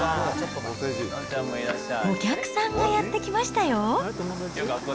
お客さんがやって来ましたよ。